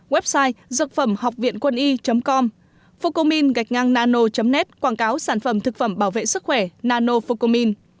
website dược phẩm học viện quân y com fukomin gạch ngang nano net quảng cáo sản phẩm thực phẩm bảo vệ sức khỏe nanofocomin